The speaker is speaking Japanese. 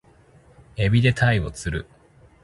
海老で鯛を釣る